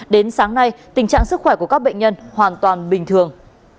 đến sáng nay tình trạng sức khỏe của các bệnh nhân hoàn toàn bình thường